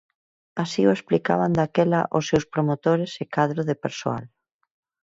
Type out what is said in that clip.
Así o explicaban daquela os seus promotores e cadro de persoal.